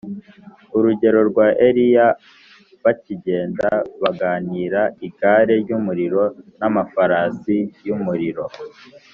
urugero rwa eliya: “bakigenda baganira igare ry’umuriro n’amafarasi y’umuriro